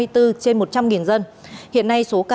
trên một trăm linh dân hiện nay số ca